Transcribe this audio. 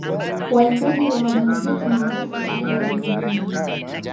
Waimbaji wa muziki maarufu aina ya na rumba